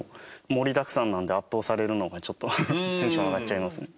盛りだくさんなので圧倒されるのがちょっとテンション上がっちゃいますね。